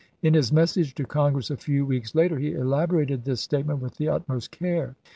In his message to Congress a few weeks later he elaborated this state ment with the utmost care.